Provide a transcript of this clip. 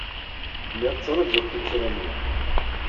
Lliɣ ttṛajuɣ tuttra-nni.